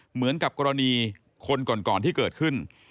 เหมือนกับกรณีคนก่อนที่เกิดขึ้น